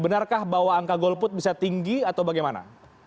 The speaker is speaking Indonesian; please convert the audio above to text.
benarkah bahwa angka golput bisa tinggi atau bagaimana